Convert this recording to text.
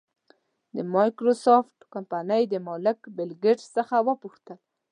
د مایکروسافټ کمپنۍ د مالک بېل ګېټس څخه وپوښتل.